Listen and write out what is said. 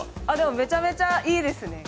めちゃめちゃいいですね